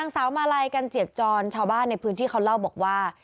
สาวมาลัยกันเจียกจรชาวบ้านในพื้นที่เขาเล่าบอกว่า